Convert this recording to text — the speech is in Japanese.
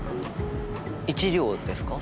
１両ですか？